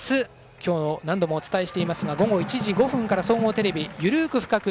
今日、何度もお伝えしていますが午後１時５分から総合テレビ「ゆるく深く！